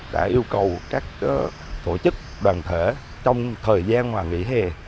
đã yêu cầu các tổ chức đoàn thể trong thời gian nghỉ hè